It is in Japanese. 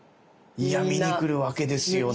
いや見に来るわけですよね。